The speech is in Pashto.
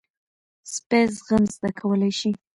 سپي زغم زده کولی شي.